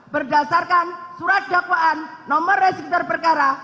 berdasarkan surat dakwaan nomor resikter perkara